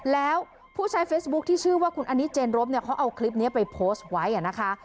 แล้วผู้ใช้เฟซบุ๊คที่ชื่อว่าคุณอันนี้เจนรบเนี่ยเขาเอาคลิปนี้ไปโพสต์ไว้นะคะ